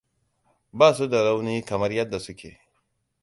Ba su da rauni kamar yadda suke.